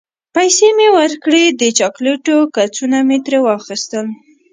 پیسې مې ورکړې، د چاکلیټو کڅوڼه مې ترې واخیستل.